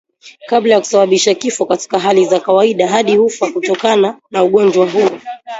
kabla ya kusababisha kifo Katika hali za kawaida hadi hufa kutokana na ugonjwa huu